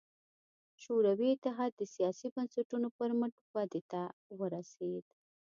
شوروي اتحاد د سیاسي بنسټونو پر مټ ودې ته ورسېد.